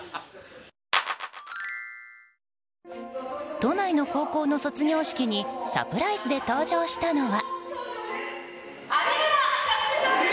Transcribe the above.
都内の高校の卒業式にサプライズで登場したのは。